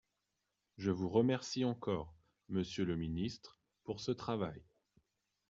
Je vous remercie encore, monsieur le ministre, pour ce travail.